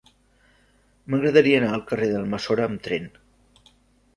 M'agradaria anar al carrer d'Almassora amb tren.